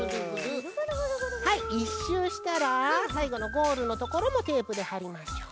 はい１しゅうしたらさいごのゴールのところもテープではりましょう。